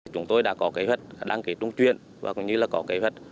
chúng tôi đã có kế hoạch đăng ký trung truyền và cũng như là có kế hoạch